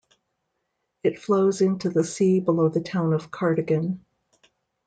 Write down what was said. It flows into the sea below the town of Cardigan.